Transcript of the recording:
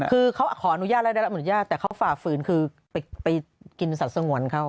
คือเขาขออนุญาตแล้วแต่เขาฝ่าฝืนคือไปกินสัตว์สงวนเขา